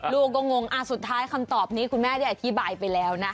ลูกก็งงสุดท้ายคำตอบนี้คุณแม่ได้อธิบายไปแล้วนะ